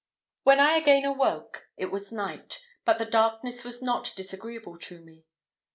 When I again awoke it was night, but the darkness was not disagreeable to me.